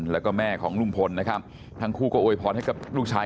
แล้วก็แม่ของลุงพลนะครับทั้งคู่ก็โวยพรให้กับลูกชาย